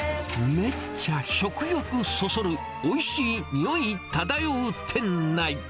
めっちゃ食欲そそるおいしい匂い漂う店内。